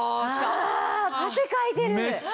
あ汗かいてる。